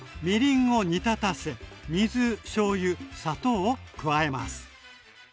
みりんを煮立たせ水しょうゆ砂糖を加えます。